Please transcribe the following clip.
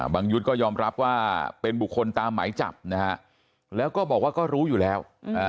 ยุทธ์ก็ยอมรับว่าเป็นบุคคลตามหมายจับนะฮะแล้วก็บอกว่าก็รู้อยู่แล้ว